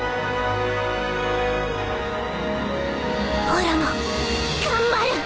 おらも頑張る！